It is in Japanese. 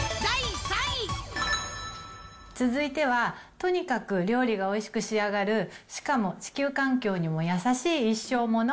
続いては、とにかく料理がおいしく仕上がる、しかも地球環境にも優しい一生もの。